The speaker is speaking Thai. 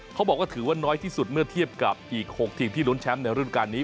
เขาบอกว่าถือว่าน้อยที่สุดเมื่อเทียบกับอีก๖ทีมที่ลุ้นแชมป์ในรุ่นการนี้